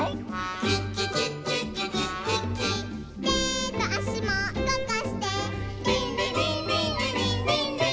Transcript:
「てとあしもうごかして」「リンリリンリンリリンリンリン」